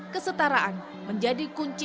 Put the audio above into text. kesetaraan menjadi kunci komunikasi